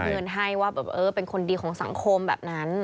เงินให้ว่าแบบเออเป็นคนดีของสังคมแบบนั้น